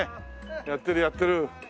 やってるやってる。